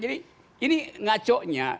jadi ini ngacoknya